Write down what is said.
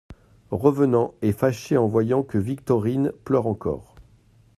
Revenant, et fâché en voyant que Victorine pleure encore.